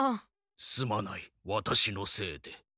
すまないワタシのせいで。